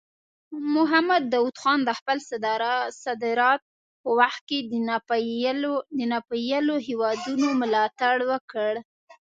محمد داود خان د خپل صدارت په وخت کې د ناپېیلو هیوادونو ملاتړ وکړ.